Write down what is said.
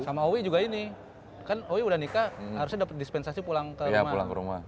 sama owi juga ini kan owi udah nikah harusnya dapat dispensasi pulang ke rumah